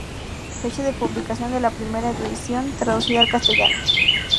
Fecha de publicación de la primera edición traducida al castellano.